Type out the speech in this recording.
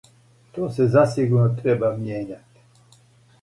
То се засигурно треба мијењати.